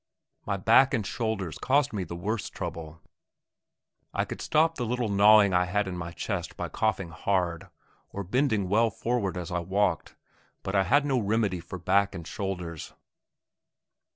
My back and shoulders caused me the worst trouble. I could stop the little gnawing I had in my chest by coughing hard, or bending well forward as I walked, but I had no remedy for back and shoulders.